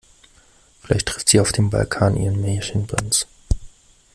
Vielleicht trifft sie ja auf dem Balkan ihren Märchenprinz.